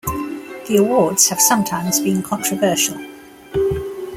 The awards have sometimes been controversial.